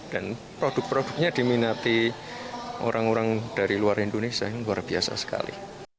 dan produk produknya diminati orang orang dari luar indonesia yang luar biasa sekali